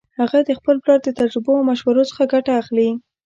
هغه د خپل پلار د تجربو او مشورو څخه ګټه اخلي